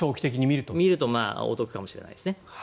お得かもしれないですね。